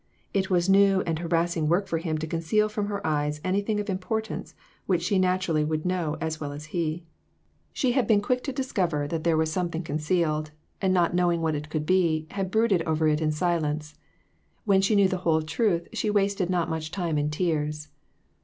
It was new and harassing work for him to conceal from her eyes anything of importance which she naturally would know as well as he. She had been quick to discover INTUITIONS. 399 that there was something concealed, and not knowing what it could be, had brooded over it in silence. When she knew the whole truth she wasted not much time in tears.